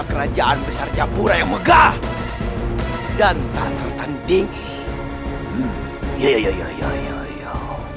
kerajaan besar jambura yang megah dan tak tertandingi ya ya ya ya ya ya ya